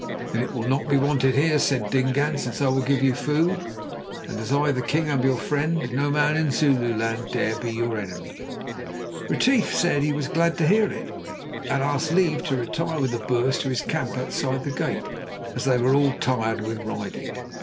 "Then it will not be wanted here," said Dingaan, "since I will give you food, and as I, the king, am your friend, no man in Zululand dare be your enemy." Retief said he was glad to hear it, and asked leave to retire with the Boers to his camp outside the gate, as they were all tired with riding.